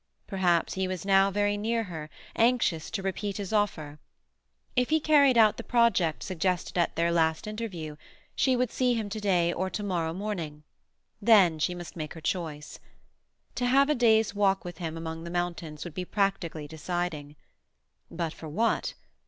Perhaps he was now very near her, anxious to repeat his offer. If he carried out the project suggested at their last interview, she would see him to day or to morrow morning—then she must make her choice. To have a day's walk with him among the mountains would be practically deciding. But for what?